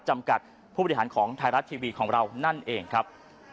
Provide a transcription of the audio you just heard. จำกัดผู้บริหารของไทยรัฐทีวีของเรานั่นเองครับ